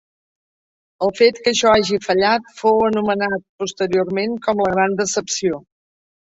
El fet que això hagi fallat fou anomenat posteriorment com la Gran Decepció.